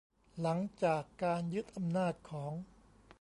หลังจากการยึดอำนาจของ